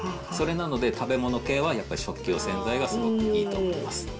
それなので、食べ物系はやっぱり食器用洗剤がすごくいいと思ってます。